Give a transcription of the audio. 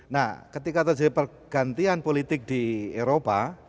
nah ketika terjadi pergantian politik di eropa